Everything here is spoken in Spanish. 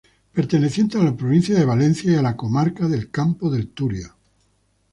Perteneciente a la provincia de Valencia y a la comarca del Campo de Turia.